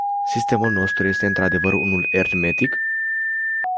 Sistemul nostru este într-adevăr unul ermetic?